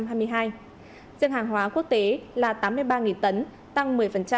riêng hàng hóa quốc tế là tám mươi ba tấn tăng một mươi